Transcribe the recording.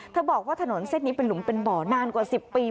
บอกว่าถนนเส้นนี้เป็นหลุมเป็นบ่อนานกว่า๑๐ปี